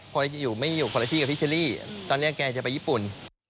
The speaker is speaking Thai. พออยู่คนละที่กับพี่เชอรี่ตอนนี้แกจะไปญี่ปุ่น